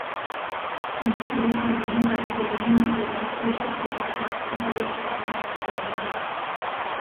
In vier von sieben Kategorien wurde das höchste Prädikat „herausragend“ verliehen.